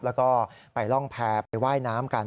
แล้วก็ไปร่องแพร่ไปว่ายน้ำกัน